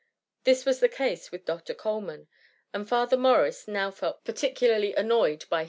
This was the case with Dr. Coleman; and Father Morris now felt particularly annoyed by 182 THB MUMMY.